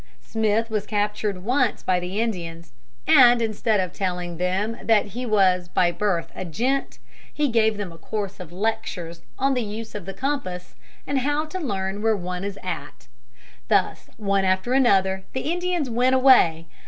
Smith was captured once by the Indians, and, instead of telling them that he was by birth a gent, he gave them a course of lectures on the use of the compass and how to learn where one is at. Thus one after another the Indians went away.